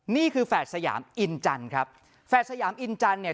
นี่คือแฝดสยามอินจันครับแฝดสยามอินจันเนี่ย